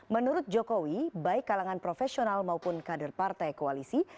menurut jokowi baik kalangan profesional maupun kader partai koalisi